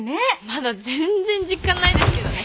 まだ全然実感ないですけどね。